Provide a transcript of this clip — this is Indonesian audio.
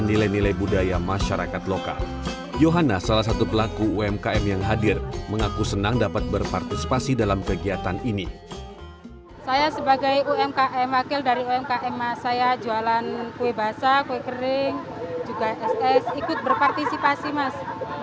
bisa jadi harapan masyarakat indonesia untuk bisa mendengarkan rintihan rakyat kecil istilahnya gitu mas